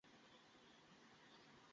Boil Heights crossing.